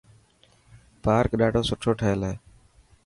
پارڪ ڏاڌو سٺو ٺهيل هي.